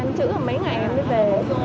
em chữ mấy ngày em mới về